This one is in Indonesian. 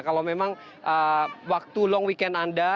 kalau memang waktu long weekend anda